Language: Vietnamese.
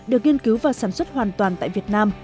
được nghiên cứu và sản xuất hoàn toàn tại việt nam